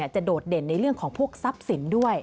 โดดเด่นในเรื่องของพวกทรัพย์สินด้วย